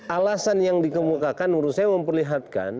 alasan yang dikemukakan menurut saya memperlihatkan